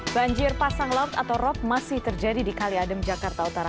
banjir pasang laut atau rop masih terjadi di kali adem jakarta utara